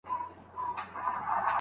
ميراث د خاوند او ميرمني شريک حق دی.